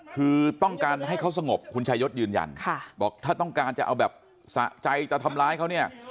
คือต้องการให้เขาสงบคุณชายศยืนยันบอกถ้าต้องการจะเอาแบบสะใจจะทำร้ายเขาเนี่ย